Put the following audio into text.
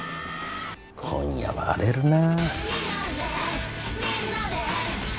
今夜は荒れるな。